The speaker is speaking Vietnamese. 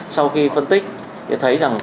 sau khi phân tích thì thấy rằng